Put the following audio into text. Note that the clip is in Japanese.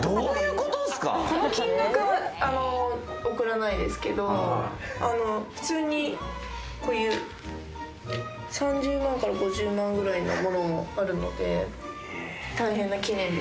この金額は送らないですけど、普通に３０万から５０万ぐらいのものもあるので。